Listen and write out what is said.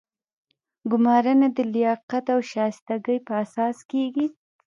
ګمارنه د لیاقت او شایستګۍ په اساس کیږي.